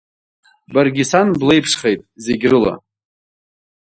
Баргьы сан блеиԥшхеит, зегь рыла.